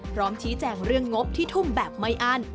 พร้อมชี้แจงเรื่องงบที่ทุ่มแบบไม่อั้น